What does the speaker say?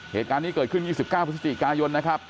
เหตุการณ์นี้เกิดขึ้น๒๙พฤศจิกายนนะครับ